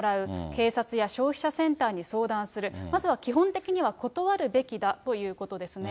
警察や消費者センターに相談する、まずは基本的には断るべきだということですね。